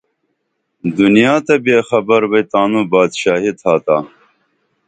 دنیا تہ بے خبر بئی تانوں بادشاہی تھاتا